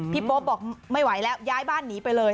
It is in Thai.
โป๊ปบอกไม่ไหวแล้วย้ายบ้านหนีไปเลย